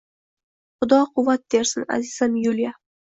Xudo quvvat bersin, azizam Yuliya!..